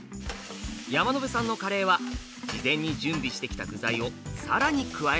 山野辺さんのカレーは事前に準備してきた具材を更に加えます。